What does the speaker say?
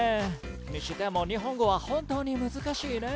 にしても日本語は本当に難しいね。